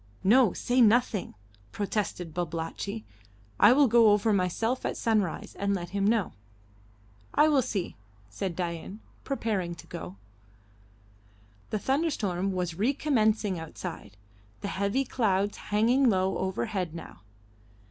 No; say nothing," protested Babalatchi. "I will go over myself at sunrise and let him know." "I will see," said Dain, preparing to go. The thunderstorm was recommencing outside, the heavy clouds hanging low overhead now.